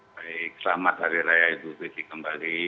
baik selamat hari raya dulfitri kembali